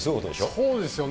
そうですよね。